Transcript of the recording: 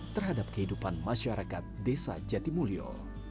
terhadap kehidupan masyarakat desa jatimulyo